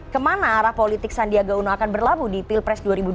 kemana arah politik sandiaga uno akan berlabuh di pilpres dua ribu dua puluh